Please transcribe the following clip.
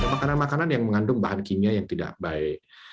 makanan makanan yang mengandung bahan kimia yang tidak baik